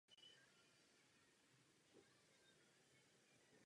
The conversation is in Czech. Působil také na univerzitě v Českých Budějovicích.